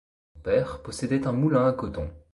Son père possédait un moulin à coton.